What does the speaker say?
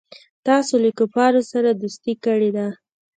تاسو له کفارو سره دوستي کړې ده.